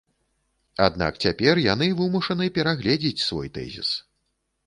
Аднак цяпер яны вымушаны перагледзіць свой тэзіс.